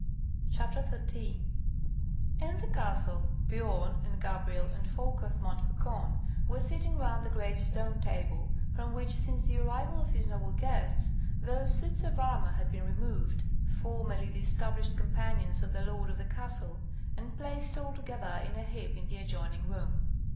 CHAPTER 13 In the castle, Biorn and Gabrielle and Folko of Montfaucon were sitting round the great stone table, from which, since the arrival of his noble guests, those suits of armour had been removed, formerly the established companions of the lord of the castle, and placed all together in a heap in the adjoining room.